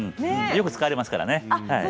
よく使われますからね。